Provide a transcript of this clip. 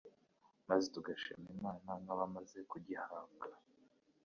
maze tugashimira Imana nk'abamaze kugihabwa.